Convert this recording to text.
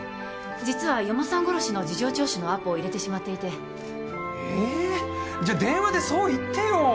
実は四方さん殺しの事情聴取のアポを入れてしまっていてえじゃあ電話でそう言ってよ